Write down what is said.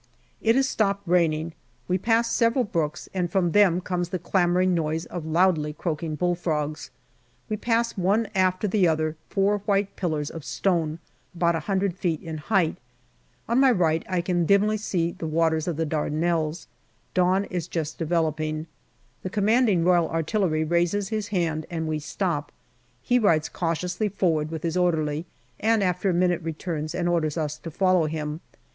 It has stopped raining ; we pass several brooks, and from them comes the clamouring noise of loudly croaking bull frogs. We pass one after the other four white pillars of stone, about a hundred feet in height. On my right I can see dimly the waters of the Dardanelles. Dawn is just developing. The C.R.A. raises his hand and we stop. He rides cautiously forward with his orderly, and after a minute returns and orders us to follow him.